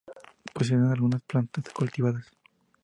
Poseían algunas plantas cultivadas.